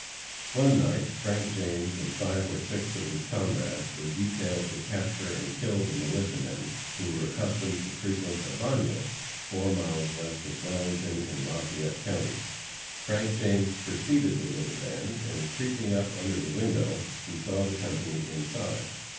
One night Frank James and five or six of his comrades were detailed to capture and kill the militia men who were accustomed to frequent a bagnio, four miles east of Wellington, in Lafayette county. Frank James preceded the little band, and, creeping up under the window, he saw the company inside.